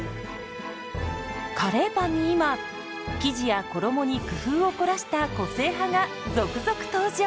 カレーパンに今生地や衣に工夫を凝らした個性派が続々登場！